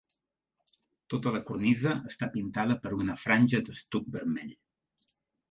Tota la cornisa està pintada per una franja d'estuc vermell.